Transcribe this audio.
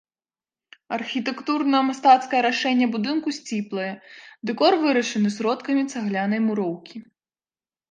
Архітэктурна-мастацкае рашэнне будынку сціплае, дэкор вырашаны сродкамі цаглянай муроўкі.